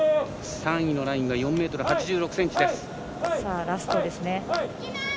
３位のラインが４ｍ８６ｃｍです。